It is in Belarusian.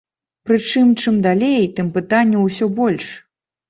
Прычым чым далей, тым пытанняў усё больш.